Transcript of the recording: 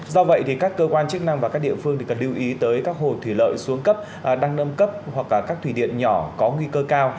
do vậy thì các cơ quan chức năng và các địa phương thì cần lưu ý tới các hồ thủy lợi xuống cấp đăng nâm cấp hoặc là các thủy điện nhỏ có nguy cơ cao